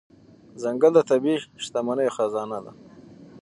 ځنګل د طبیعي شتمنۍ خزانه ده.